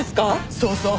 そうそう。